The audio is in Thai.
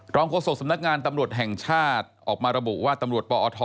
โฆษกสำนักงานตำรวจแห่งชาติออกมาระบุว่าตำรวจปอท